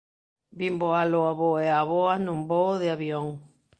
Vin voar o avó e a avoa nun voo de avión.